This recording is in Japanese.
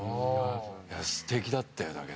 すてきだったよ。